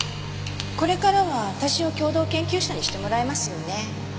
これからは私を共同研究者にしてもらえますよね？